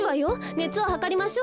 ねつをはかりましょう。